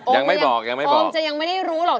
ยังไม่บอกยังไม่บอกผมจะยังไม่ได้รู้หรอก